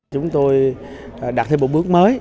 chúng tôi đặt thêm một bước mới